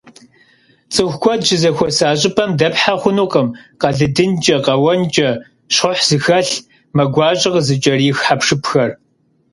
ЦӀыху куэд щызэхуэса щӀыпӀэм дэпхьэ хъунукъым къэлыдынкӀэ, къэуэнкӀэ, щхъухь зыхэлъ, мэ гуащӀэ къызыкӀэрих хьэпшыпхэр.